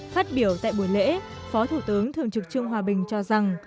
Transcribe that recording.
phát biểu tại buổi lễ phó thủ tướng thường trực trương hòa bình cho rằng